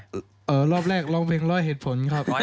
รอบแรกร้องเพลงร้อยเหตุผลครับ